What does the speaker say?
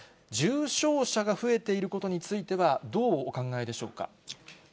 重症者が増えていることについては、どうお考えでしょうか。